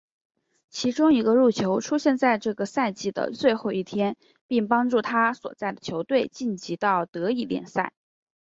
其中一个入球出现在这个赛季的最后一天并帮助他所在的球队晋级到德乙联赛。